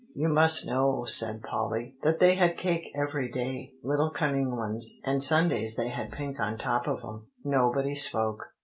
"You must know," said Polly, "that they had cake every day, little cunning ones, and Sundays they had pink on top of 'em." Nobody spoke.